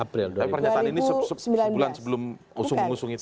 tapi pernyataan ini sebulan sebelum usung mengusung itu